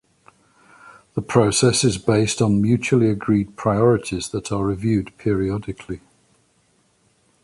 The process is based on mutually agreed priorities that are reviewed periodically.